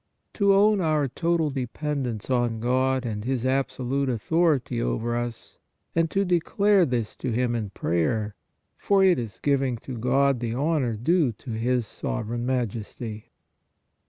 To own our total dependence on God and His absolute authority over us, and to declare this to Him is prayer, for it is giving to God the honor due to His "Sovereign Majesty.